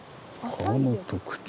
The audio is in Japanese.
川の特徴。